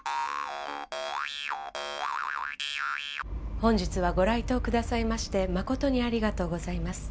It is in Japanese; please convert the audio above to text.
本日はご来塔くださいまして誠にありがとうございます。